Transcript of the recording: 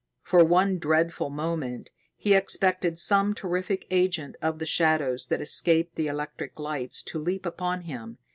For one dreadful moment, he expected some terrific agent of the shadows that escaped the electric lights to leap upon him.